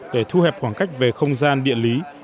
để thu hẹp khoảng cách về không gian địa lý